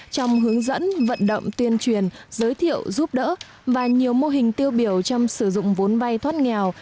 trong hướng dẫn vận động tuyên truyền giới thiệu giúp đỡ và nhiều mô hình tiêu biểu trong sử dụng vốn vay thoát nghèo